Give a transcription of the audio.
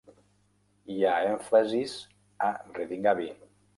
Hi ha èmfasis a Reading Abbey.